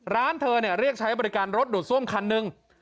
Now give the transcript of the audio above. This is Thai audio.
ร้านเธอเรียกใช้บริการรถดูดซ่วมคันหนึ่ง